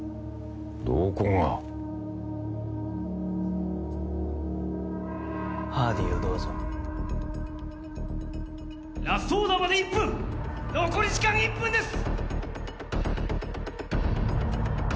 どこがハーディーをどうぞラストオーダーまで１分残り時間１分です！